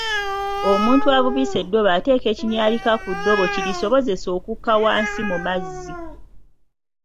Omuntu avubisa eddobo ateeka ekinyaalika ku ddobo kirisobozese okuka wansi mu mazzi .